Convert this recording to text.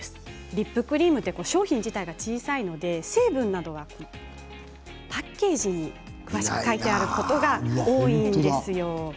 リップクリームって商品自体が小さいのでパッケージの裏に詳しい成分が書いてあることが多いんですよ。